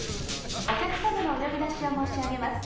「お客さまのお呼び出しを申し上げます。